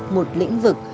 một lĩnh vực